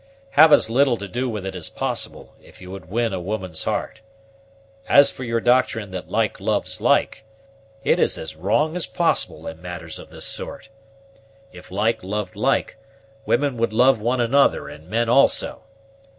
Have as little to do with it as possible, if you would win a woman's heart. As for your doctrine that like loves like, it is as wrong as possible in matters of this sort. If like loved like, women would love one another, and men also.